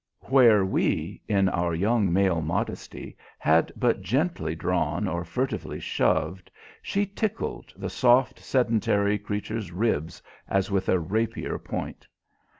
Where we, in our young male modesty, had but gently drawn or furtively shoved, she tickled the soft, sedentary creature's ribs as with a rapier point.